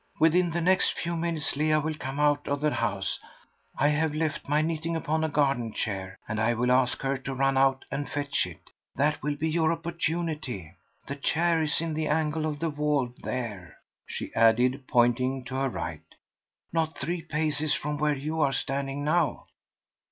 Within the next few minutes Leah will come out of the house. I have left my knitting upon a garden chair, and I will ask her to run out and fetch it. That will be your opportunity. The chair is in the angle of the wall, there," she added, pointing to her right, "not three paces from where you are standing now.